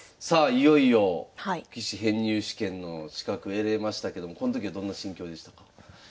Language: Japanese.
いよいよ棋士編入試験の資格得れましたけどもこの時はどんな心境でしたか？